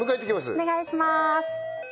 お願いします